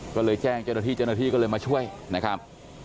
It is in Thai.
ก็เลยแจ้งเจ้าหน้าที่เจ้าหน้าที่ก็เลยมาช่วยนะครับ